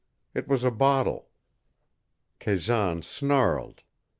It was a bottle. Kazan snarled.